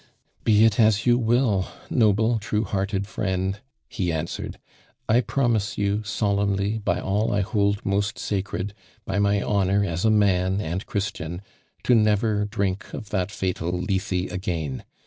"Be it as you will, noble, true hearted friend," he answered. "I promise you solemnly by all I hold moat sacred — by my honor as a man and Christian, to never drink of that fatal Lethe again.